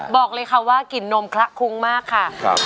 บอกเลยค่ะว่ากลิ่นนมคละคุ้งมากค่ะ